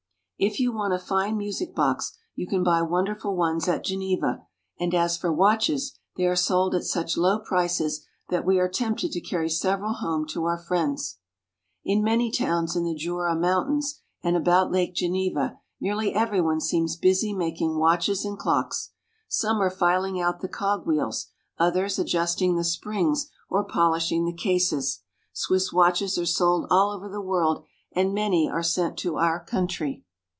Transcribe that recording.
If you want a fine music box you can buy wonderful ones at Geneva, and as for watches, they are sold at such low prices that we are tempted to carry several home to 262 SWITZERLAND. our friends. In many towns in the Jura Mountains, and about Lake Geneva, nearly every one seems busy making watches and clocks. Some are filing out the cog wheels, others adjusting the springs or polishing the cases. Swiss watches are sold all over the world, and many are sent to our country.